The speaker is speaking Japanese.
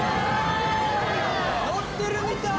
乗ってるみたい！